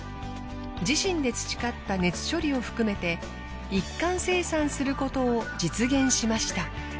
自身で培った熱処理を含めて一貫生産することを実現しました。